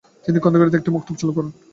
তিনি খন্দকিয়াতে একটি মক্তব চালু করেন।